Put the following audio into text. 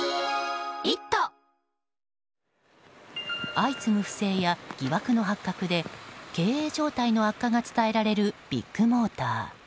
相次ぐ不正や疑惑の発覚で経営状態の悪化が伝えられるビッグモーター。